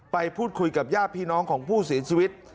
ไปพูดคุยกับญาติพี่น้องของผู้เสียชีวิต